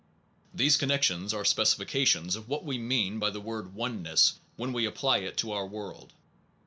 These connections are specifications of what we mean by the word oneness when we apply it to our world.